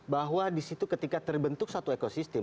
bahwa di situ ketika terbentuk satu ekosistem